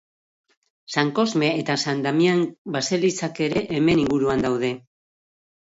San Kosme eta San Damian baselizak ere hemen inguruan daude.